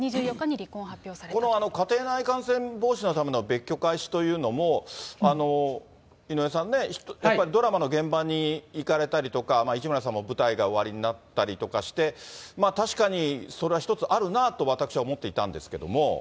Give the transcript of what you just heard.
この家庭内感染防止のための別居開始というのも、井上さん、やっぱりドラマの現場に行かれたりとか、市村さんも舞台がおありになったりとかして、確かにそれは一つあるなと私は思っていたんですけれども。